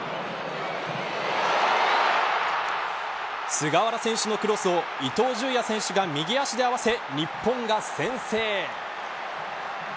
菅原選手のクロスを伊東純也選手が右足で合わせ日本が先制。